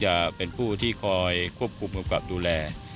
จะเป็นผู้ที่คอยควบคุมกำกับดูแล